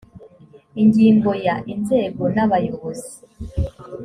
ingingo ya inzego n abayobozi